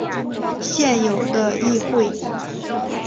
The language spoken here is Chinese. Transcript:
现有的议会。